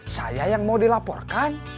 saya yang mau dilaporkan